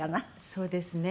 そうですね。